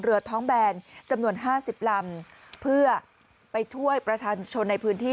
เรือท้องแบนจำนวนห้าสิบลำเพื่อไปช่วยประชาชนในพื้นที่